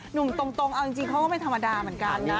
หนุ่มตรงเอาจริงเขาก็ไม่ธรรมดาเหมือนกันนะ